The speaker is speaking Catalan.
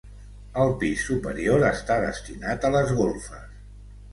El pis superior està destinat a les golfes.